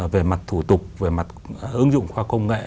về mặt thủ tục về mặt ứng dụng khoa công nghệ